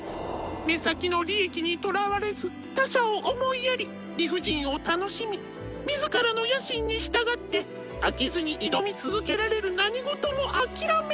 目先の利益にとらわれず他者を思いやり理不尽を楽しみ自らの野心に従って飽きずに挑み続けられる何事も諦めない